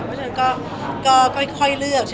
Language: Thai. เพราะฉะนั้นก็ค่อยเลือก